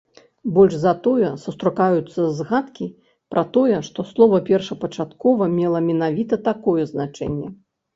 Больш за тое, сустракаюцца згадкі пра тое, што слова першапачаткова мела менавіта такое значэнне.